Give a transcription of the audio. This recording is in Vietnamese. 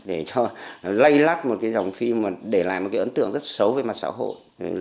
để cho lây lắt một cái dòng phim để lại một cái ấn tượng rất xấu về mặt xã hội